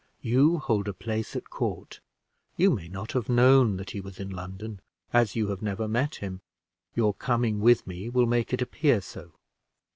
You hold a place at court. You may not have known that he was in London, as you have never met him; your coming with me will make it appear so.